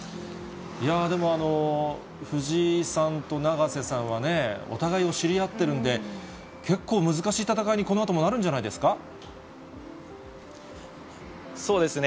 いやー、でも藤井さんと永瀬さんはね、お互いを知り合ってるんで、結構難しい戦いに、そうですね。